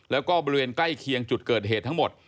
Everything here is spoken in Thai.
แล้วก็บริเวณใกล้เคียงจุดเกิดเหตุทั้งหมด